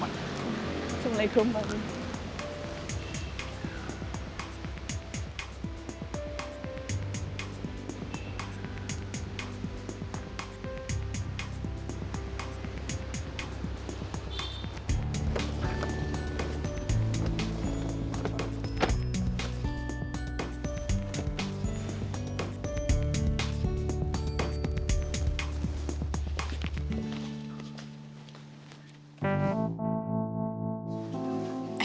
waalaikumsalam pak be